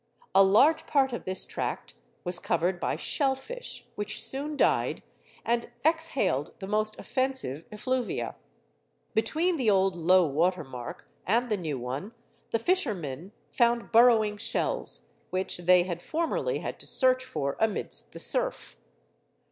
A large part of this tract was covered by shell fish, which soon died, and exhaled the most offensive effluvia. Between the old low water mark and the new one, the fishermen found burrowing shells, which they had formerly had to search for amidst the surf.